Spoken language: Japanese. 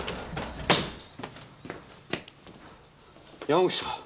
山口さん！